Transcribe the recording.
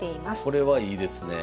これはいいですねえ。